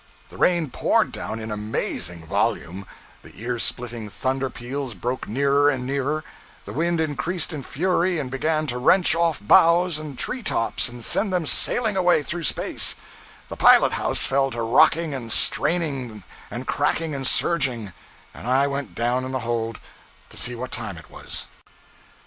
The rain poured down in amazing volume; the ear splitting thunder peals broke nearer and nearer; the wind increased in fury and began to wrench off boughs and tree tops and send them sailing away through space; the pilot house fell to rocking and straining and cracking and surging, and I went down in the hold to see what time it was.